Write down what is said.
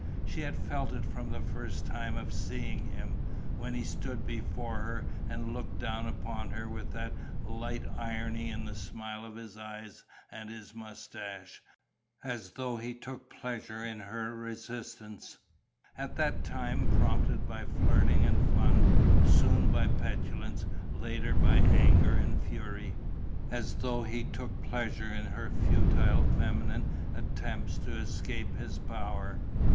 She had felt it from the first time of seeing him, when he stood before her and looked down upon her with that light irony in the smile of his eyes and his moustache, as though he took pleasure in her resistance at that time prompted by flirting and fun, soon by petulance, later by anger and fury as though he took pleasure in her futile feminine attempts to escape his power.